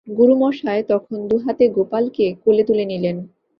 গুরুমশায় তখন দু-হাতে গোপালকে কোলে তুলে নিলেন।